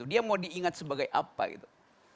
dia mau diingat sebagai apa gitu